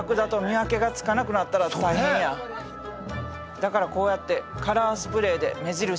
だからこうやってカラースプレーで目印をつけてんねんて。